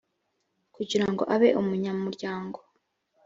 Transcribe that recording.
kugira ngo abe umunyamuryango